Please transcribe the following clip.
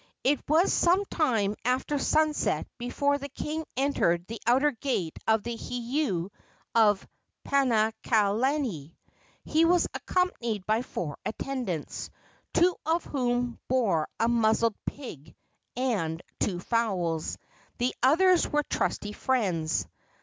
It was some time after sunset before the king entered the outer gate of the heiau of Paakalani. He was accompanied by four attendants, two of whom bore a muzzled pig and two fowls; the others were trusty friends.